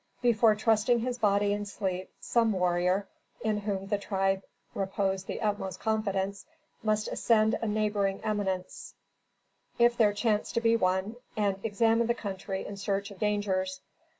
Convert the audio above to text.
Before trusting his body in sleep, some warrior, in whom the tribe repose the utmost confidence, must ascend a neighboring eminence, if there chance to be one, and examine the country in search of dangers.